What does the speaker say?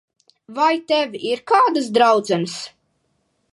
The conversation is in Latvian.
Vai tev ir kādas draudzenes?